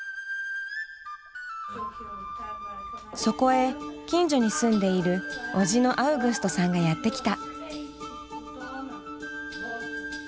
そこへ近所に住んでいる叔父のアウグストさんがやって来た。